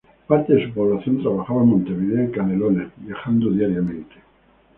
Parte de su población trabaja en Montevideo y Canelones viajando diariamente.